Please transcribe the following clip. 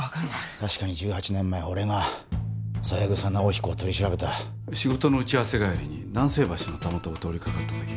確かに１８年前俺が三枝尚彦を取り調べた仕事の打ち合わせ帰りに南星橋のたもとを通りかかったとき